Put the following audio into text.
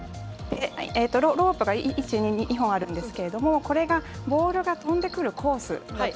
ロープが２本あるんですけれどもこれがボールが飛んでくるコースだと